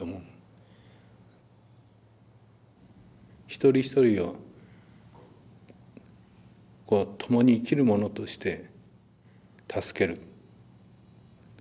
一人一人をともに生きる者として助ける。